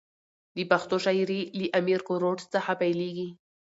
د پښتو شاعري له امیر ګروړ څخه پیلېږي.